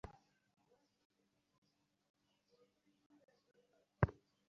আর গণশৌচাগার ও রাস্তা বড় করার বিষয়ে জনস্বার্থ ছিল।